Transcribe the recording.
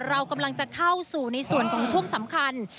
เรากำลังจะเข้าสู่ในส่วนของช่วงสำคัญ